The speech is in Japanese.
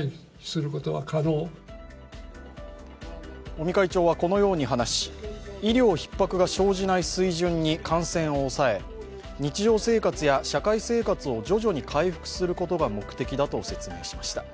尾身会長はこのように話し、医療ひっ迫が生じない水準に感染を抑え日常生活や社会生活を徐々に回復することが目的だと説明しました。